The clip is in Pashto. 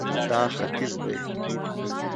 دا ختیځ دی